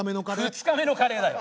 ２日目のカレーだよ。